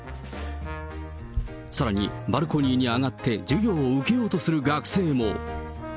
さらにバルコニーに上がって、授業を受けようとする学生も。